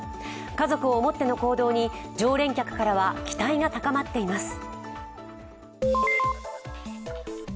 家族を思っての行動に常連客からは期待が高まっています。